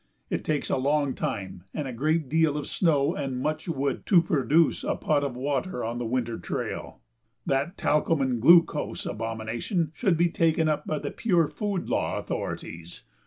It takes a long time and a great deal of snow and much wood to produce a pot of water on the winter trail. That "talcum and glucose" abomination should be taken up by the Pure Food Law authorities.